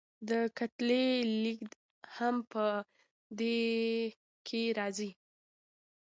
د کتلې لیږد هم په دې کې راځي.